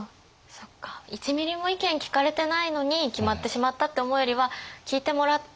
そっか１ミリも意見聞かれてないのに決まってしまったって思うよりは聞いてもらって